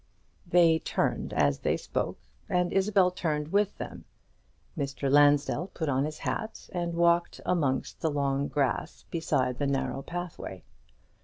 They turned as they spoke, and Isabel turned with them. Mr. Lansdell put on his hat, and walked amongst the long grass beside the narrow pathway.